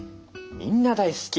「みんな大好き！